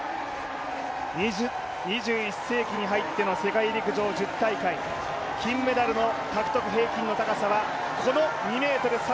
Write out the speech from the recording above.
２１世紀に入っての世界陸上１０大会金メダルの獲得平均の高さは、この２ｍ３５。